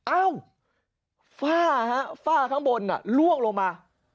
อ้าวฝ้าข้างบนล่วงลงมา